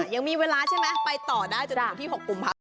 ยังมีเวลาใช่ไหมไปต่อได้จนถึงที่๖กลุ่ม